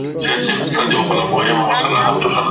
که ښاروالي د ځمکو غصب مخنیوی وکړي، نو عامه ملکیت نه غلا کیږي.